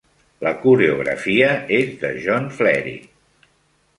La coreografia és de John Flery.